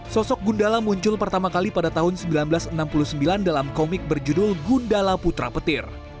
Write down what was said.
sosok gundala muncul pertama kali pada tahun seribu sembilan ratus enam puluh sembilan dalam komik berjudul gundala putra petir